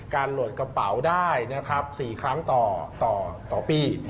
การหลดกระเป๋าได้๔ครั้งต่อปี